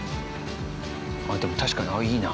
あっでも確かにあっいいな。